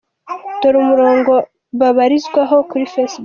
Dore umurongo babarizwaho kuri facebook :.